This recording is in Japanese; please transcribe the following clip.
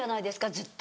ずっと。